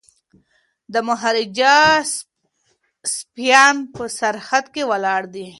د مهاراجا سپایان په سرحد کي ولاړ دي.